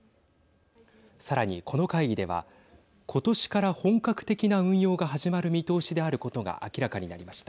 さらにこの会議では今年から本格的な運用が始まる見通しであることが明らかになりました。